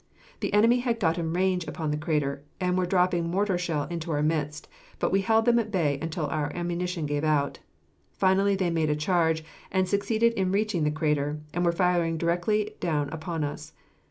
The enemy had gotten range upon the crater, and were dropping mortar shell into our midst, but we held them at bay until our ammunition gave out. Finally they made a charge, and succeeded in reaching the crater, and were firing directly down upon us.